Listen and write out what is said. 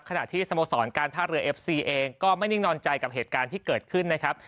ขณะที่สโมสรการท่าเรือเอฟซีเองก็ไม่นิ่งนอนใจกับเหตุการณ์ที่เกิดขึ้นนะครับ